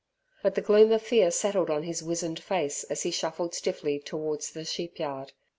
But the gloom of fear settled on his wizened face as he shuffled stiffly towards the sheepyard.